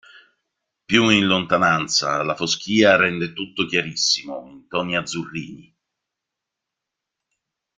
Più in lontananza la foschia rende tutto chiarissimo, in toni azzurrini.